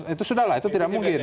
itu sudah lah itu tidak mungkin